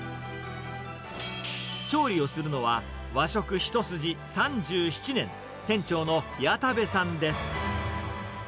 調理をするのは、和食一筋３７年、店長の谷田部さんです。